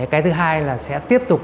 cái thứ hai là sẽ tiếp tục